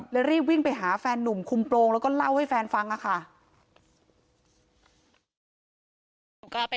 รีบวิ่งไปหาแฟนนุ่มคุมโปรงแล้วก็เล่าให้แฟนฟังค่ะ